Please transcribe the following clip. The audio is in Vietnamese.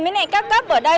với các cấp ở đây